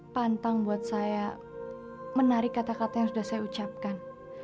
pantang buat saya menarik kata kata yang sudah saya ucapkan